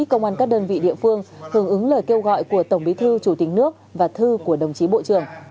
công an các đơn vị địa phương hưởng ứng lời kêu gọi của tổng bí thư chủ tịch nước và thư của đồng chí bộ trưởng